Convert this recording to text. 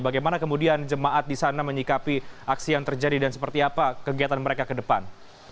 bagaimana kemudian jemaat di sana menyikapi aksi yang terjadi dan seperti apa kegiatan mereka ke depan